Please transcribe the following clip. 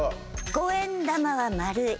五円玉は丸い。